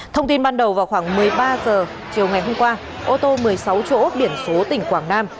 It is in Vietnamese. thông tin ban đầu vào khoảng một mươi ba h chiều ngày hôm qua ô tô một mươi sáu chỗ biển số tỉnh quảng nam